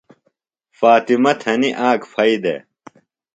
فاطمہ تھنیۡ آک پھئی دےۡ۔